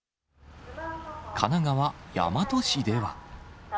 神奈川・大和市では。